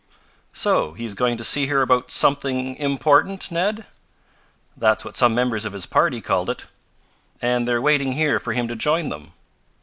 "So he is going to see her about 'something important,' Ned?" "That's what some members of his party called it." "And they're waiting here for him to join them?"